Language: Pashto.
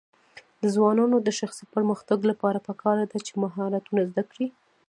د ځوانانو د شخصي پرمختګ لپاره پکار ده چې مهارتونه زده کړي.